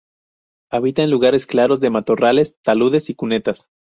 Habita en lugares claros de matorrales, taludes y cunetas.